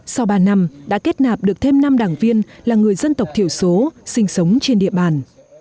sau ba năm đã kết nạp được thêm năm đảng viên là người dân tộc thiểu số sinh sống trên địa bàn